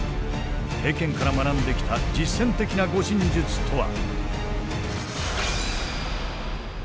経験から学んできた実戦的な護身術とは？